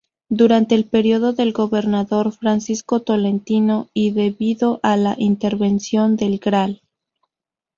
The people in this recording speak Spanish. Durante el periodo del gobernador Francisco Tolentino y debido a la intervención del Gral.